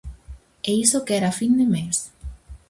E iso que era fin de mes!